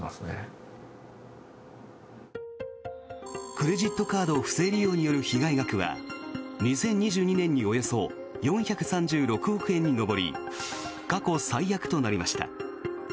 クレジットカード不正利用による被害額は２０２２年におよそ４３６億円に上り過去最悪となりました。